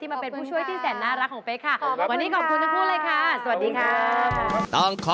มาเป็นผู้ช่วยที่แสนน่ารักของเป๊กค่ะวันนี้ขอบคุณทั้งคู่เลยค่ะสวัสดีครับ